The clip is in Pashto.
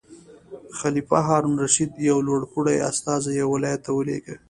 خلیفه هارون الرشید یو لوړ پوړی استازی یو ولایت ته ولېږه.